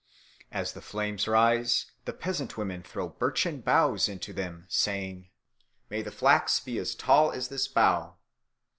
As the flames rise the peasant women throw birchen boughs into them, saying, "May my flax be as tall as this bough!"